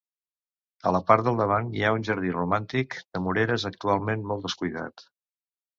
A la part del davant hi ha un jardí romàntic de moreres actualment molt descuidat.